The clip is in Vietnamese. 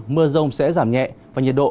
mưa rông sẽ giảm nhẹ và nhiệt độ